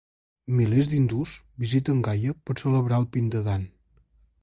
Milers d'hindús visiten Gaya per a celebrar el "pindadan".